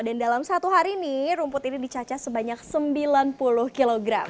dan dalam satu hari ini rumput ini dicacas sebanyak sembilan puluh kilogram